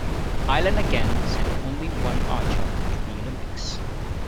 Ireland again sent only one archer to the Olympics.